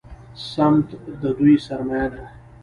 سمت د دوی سرمایه ده.